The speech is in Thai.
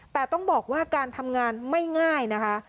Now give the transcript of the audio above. แต่ต้องบอกว่าการทำงานไม่ง่ายนะคะ